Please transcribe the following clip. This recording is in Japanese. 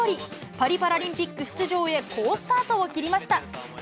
パリパラリンピック出場へ、好スタートを切りました。